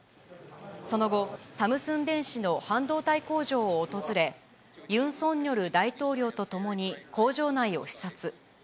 その後、サムスン電子の半導体工場を訪れ、ユン・ソンニョル大統領と共に工場内を視察。